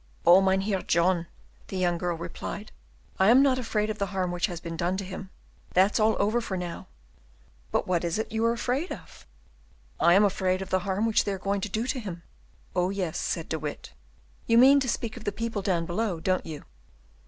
"Oh, Mynheer John!" the young girl replied, "I am not afraid of the harm which has been done to him. That's all over now." "But what is it you are afraid of?" "I am afraid of the harm which they are going to do to him." "Oh, yes," said De Witt, "you mean to speak of the people down below, don't you?"